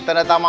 tidak bisa nih